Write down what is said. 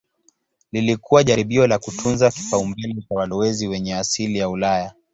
Lilikuwa jaribio la kutunza kipaumbele cha walowezi wenye asili ya Ulaya.